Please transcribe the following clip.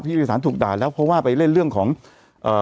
ผู้โดยสารถูกด่าแล้วเพราะว่าไปเล่นเรื่องของเอ่อ